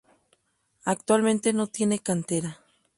Actualmente no tiene cantera